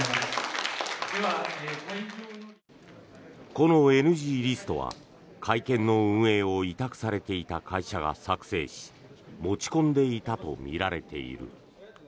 このＮＧリストは会見の運営を委託されていた会社が作成し持ち込んでいたとみられている。